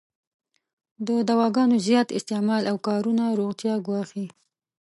د دواګانو زیات استعمال او کارونه روغتیا ګواښی.